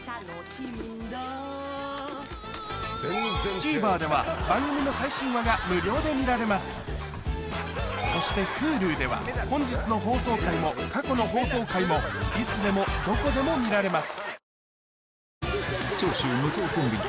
ＴＶｅｒでは番組の最新話が無料で見られますそしてＨｕｌｕでは本日の放送回も過去の放送回もいつでもどこでも見られます